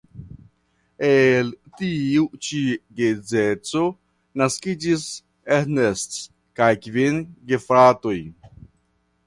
El tiu ĉi geedzeco naskiĝis Ernst kaj kvin gefratoj.